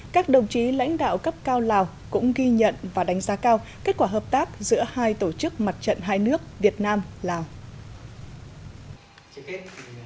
các đồng chí lãnh đạo cấp cao lào cũng ghi nhận và đánh giá cao kết quả hợp tác giữa hai tổ chức mặt trận hai nước việt nam lào